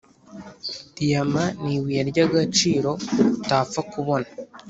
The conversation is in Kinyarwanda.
Diyama nibuye ryagaciro utapfa kubona